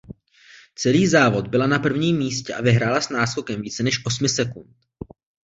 Celý závod byla na prvním místě a vyhrála s náskokem více než osmi sekund.